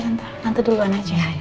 nanti duluan aja